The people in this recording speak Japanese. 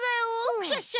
クシャシャ！